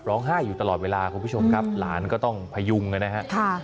ร้องไห้อยู่ตลอดเวลาคุณผู้ชมครับหลานก็ต้องพยุงนะฮะ